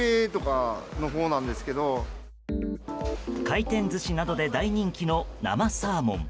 回転寿司などで大人気の生サーモン。